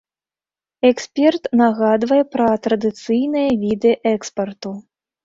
Эксперт нагадвае пра традыцыйныя віды экспарту.